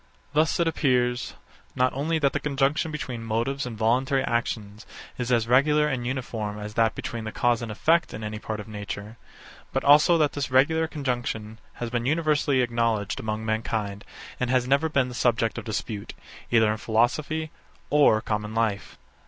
69. Thus it appears, not only that the conjunction between motives and voluntary actions is as regular and uniform as that between the cause and effect in any part of nature; but also that this regular conjunction has been universally acknowledged among mankind, and has never been the subject of dispute, either in philosophy or common life.